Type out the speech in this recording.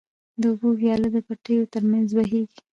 د اوبو وياله د پټيو تر منځ بهيږي.